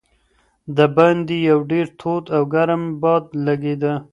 د باندې یو ډېر تود او ګرم باد لګېده.